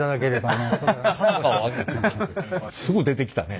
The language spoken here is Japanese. すぐ出てきたね。